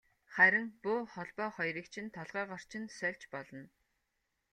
Харин буу холбоо хоёрыг чинь толгойгоор чинь сольж болно.